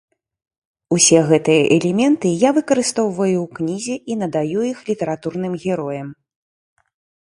Усе гэтыя элементы я выкарыстоўваю ў кнізе і надаю іх літаратурным героям.